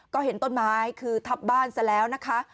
ก็เห็นต้นไม้คือทับบ้านซะแล้วนะคะ